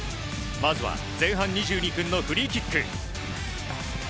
まずは前半２２分のフリーキック。